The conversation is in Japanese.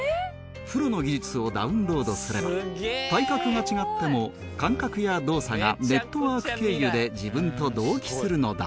プロの技術をダウンロードすれば体格が違っても感覚や動作がネットワーク経由で自分と同期するのだ